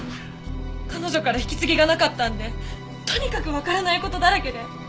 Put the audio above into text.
彼女から引き継ぎがなかったんでとにかくわからない事だらけで。